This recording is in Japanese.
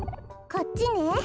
こっちね？